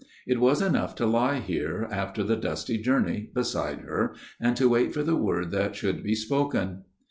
It was enough to lie here, after the dusty journey, beside her, and to wait for the word that should be spoken.